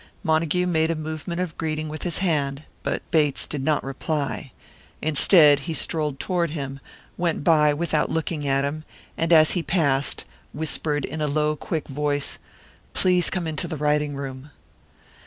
Montague made a movement of greeting with his hand, but Bates did not reply. Instead, he strolled toward him, went by without looking at him, and, as he passed, whispered in a low, quick voice, "Please come into the writing room!"